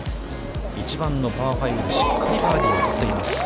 １番のパー５でしっかりバーディーをとっています。